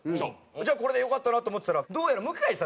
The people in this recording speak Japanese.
じゃあこれでよかったなと思ってたらどうやら向井さん